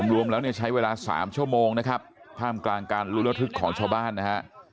รวมแล้วเนี่ยใช้เวลา๓ชั่วโมงนะครับท่ามกลางการรู้ระทึกของชาวบ้านนะฮะ